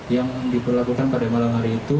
yang diperlakukan pada malam hari itu